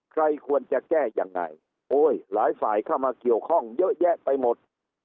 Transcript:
ใครควรจะแก้ยังไงโอ้ยหลายฝ่ายเข้ามาเกี่ยวข้องเยอะแยะไปหมด